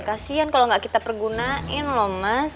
kasian kalau nggak kita pergunain loh mas